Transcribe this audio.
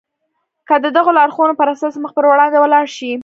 که د دغو لارښوونو پر اساس مخ پر وړاندې ولاړ شئ.